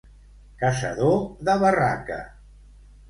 Caçador de barraca.